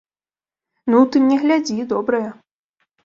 Ну, ты мне глядзі, добрыя.